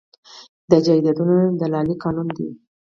د جایدادونو دلالي قانوني ده؟